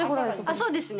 そうですね。